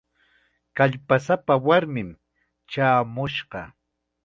Kallpasapa warmim chaamushqa.